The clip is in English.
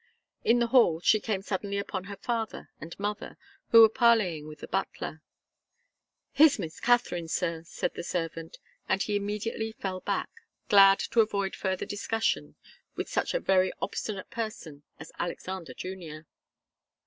In the hall she came suddenly upon her father and mother, who were parleying with the butler. "Here's Miss Katharine, sir," said the servant, and he immediately fell back, glad to avoid further discussion with such a very obstinate person as Alexander Junior.